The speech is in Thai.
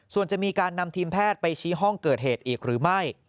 ส่วนจะมีการนำทีมแพทย์ไปชี้ห้องเกิดเหตุอีกหรือไม่